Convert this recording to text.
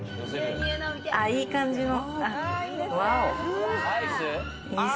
いい感じの。